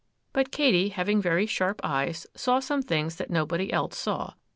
But Katy, having very sharp eyes, saw some things that nobody else saw.